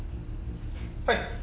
はい。